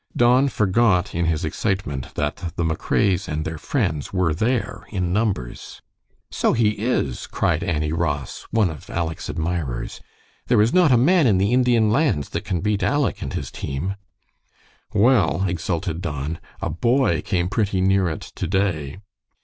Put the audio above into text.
Don forgot in his excitement that the McRaes and their friends were there in numbers. "So he is," cried Annie Ross, one of Aleck's admirers. "There is not a man in the Indian Lands that can beat Aleck and his team." "Well," exulted Don, "a boy came pretty near it to day."